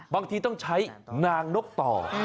บางทีต้องใช้นางนกต่อ